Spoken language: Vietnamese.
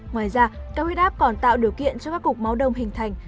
ngoài ra cao huyết áp còn tạo điều kiện cho các cục máu đông hình thành